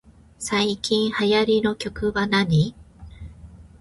最近流行りの曲はなに